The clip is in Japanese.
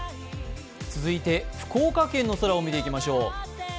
続いて福岡県の空を見ていきましょう。